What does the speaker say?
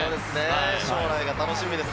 将来が楽しみです。